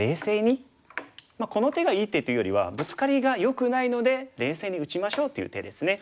この手がいい手というよりはブツカリがよくないので冷静に打ちましょうという手ですね。